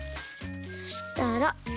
そしたら。